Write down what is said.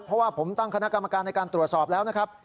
เพราะว่าผมตั้งคณะกรรมการในการตรวจสอบแล้วนะครับ